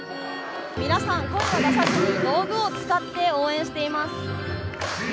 皆さん、声を出さずに道具を使って応援しています。